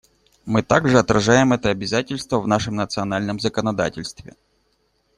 Мы также отражаем это обязательство в нашем национальном законодательстве.